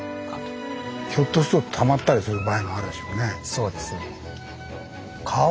そうですね。